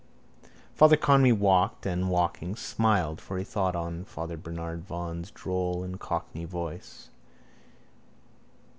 Father Conmee walked and, walking, smiled for he thought on Father Bernard Vaughan's droll eyes and cockney voice.